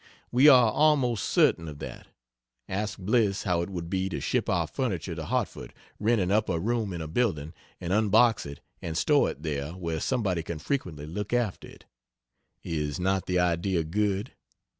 We are almost certain of that. Ask Bliss how it would be to ship our furniture to Hartford, rent an upper room in a building and unbox it and store it there where somebody can frequently look after it. Is not the idea good?